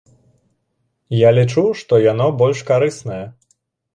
Я лічу, што яно больш карыснае.